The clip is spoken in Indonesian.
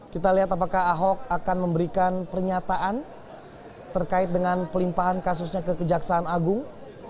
kita lihat apakah ahok akan memberikan pernyataan terkait dengan pelimpahan kasusnya ke kejaksaan agung